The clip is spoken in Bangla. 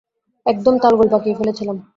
একদম তালগোল পাকিয়ে ফেলেছিলাম।